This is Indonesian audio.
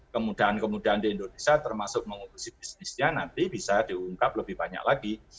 kemudahan kemudahan di indonesia termasuk mengurusi bisnisnya nanti bisa diungkap lebih banyak lagi